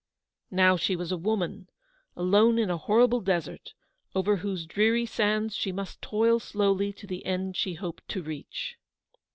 Now she was a woman, alone in a horrible desert, over whose dreary sands she must toil slowly to the end she hoped to reach.